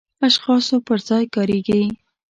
اشخاصو پر ځای کاریږي.